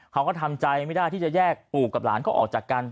เขาก็ทำใจไม่ได้ที่จะแยกปู่กับหลานเขาออกจากกัน